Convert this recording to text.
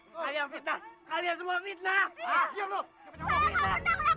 sekarang kita bergokin mawar dan muda sedang berbuat mesum